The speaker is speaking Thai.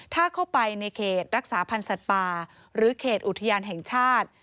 ถ้าเข้าไปในเขตรักษาพันธ์สัตว์ป่าหรือเขตอุทยานแห่งชาติ